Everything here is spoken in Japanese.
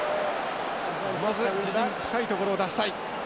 まず自陣深い所を出したい。